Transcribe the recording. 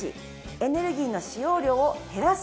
エネルギーの使用量を「へらす」